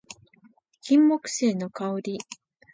金木犀の香り